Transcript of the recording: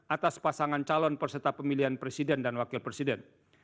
atas pasangan calon peserta pemilihan presiden dan wakil presiden